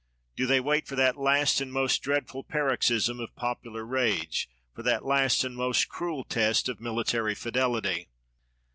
Do they wait for that last and most dreadful paroxysm of popular rage, for that last and most cruel test of military fidelity